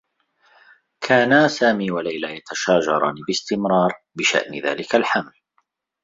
كانا سامي و ليلى يتشاجران باستمرار بشأن ذلك الحمل.